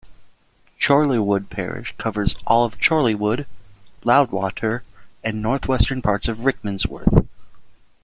Chorleywood parish covers all Chorleywood, Loudwater and north-western parts of Rickmansworth.